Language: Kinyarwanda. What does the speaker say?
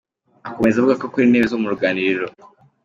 Akomeza avuga ko akora intebe zo mu ruganiriro.